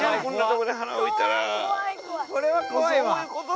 「これは怖いわ！」